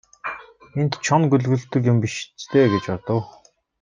Энд чоно гөлөглөдөг юм биш биз дээ гэж бодов.